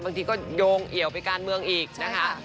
บางทีก็โยงเอี่ยวไปการเมืองอีกนะคะ